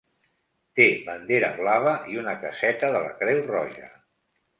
Té bandera blava i una caseta de la Creu Roja.